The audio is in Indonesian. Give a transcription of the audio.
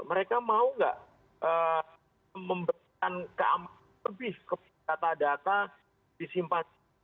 mereka mau nggak memberikan keamanan lebih kepada data data disimpan